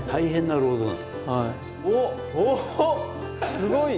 すごい。